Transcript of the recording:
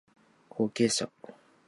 後継者